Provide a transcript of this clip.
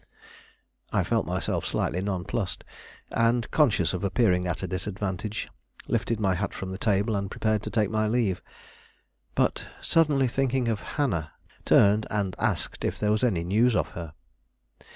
I felt myself slightly nonplussed; and, conscious of appearing at a disadvantage, lifted my hat from the table and prepared to take my leave; but, suddenly thinking of Hannah, turned and asked if there was any news of her.